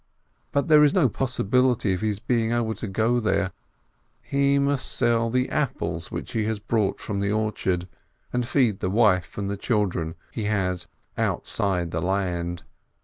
But there is no possibility of his being able to go there — he must sell the apples which he has brought from the orchard, and feed the wife and the children he has "outside the land."